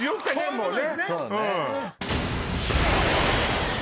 もうね。